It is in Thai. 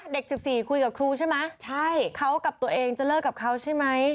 เด็ก๑๔คุยกับครูใช่ไหมใช่เขากับตัวเองจะเลิกกับเขาใช่ไหม